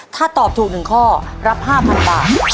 ถ้าตอบถูก๑ข้อรับ๕๐๐๐บาท